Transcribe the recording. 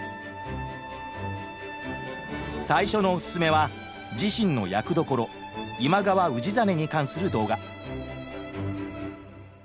最初のおススメは自身の役どころ今川氏真に関する動画。